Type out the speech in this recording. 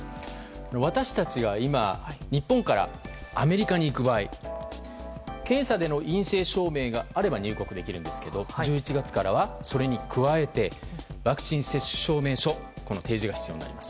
私たちが今日本からアメリカに行く場合検査での陰性証明があれば入国できるんですが１１月からは、それに加えてワクチン接種証明書の提示が必要になります。